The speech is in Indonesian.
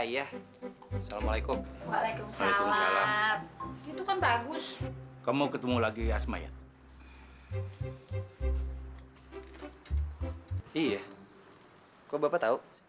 iya assalamualaikum waalaikumsalam gitu kan bagus kamu ketemu lagi asma ya iya kok bapak tahu